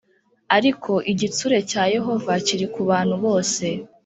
ariko igitsure cya Yehova kiri kubantu bose